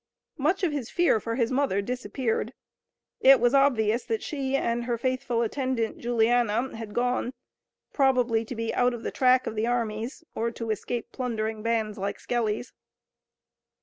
Much of his fear for his mother disappeared. It was obvious that she and her faithful attendant, Juliana, had gone, probably to be out of the track of the armies or to escape plundering bands like Skelly's.